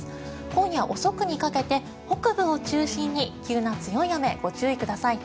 今夜遅くにかけて北部を中心に急な強い雨にご注意ください。